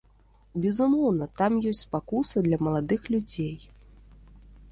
Безумоўна, там ёсць спакуса для маладых людзей.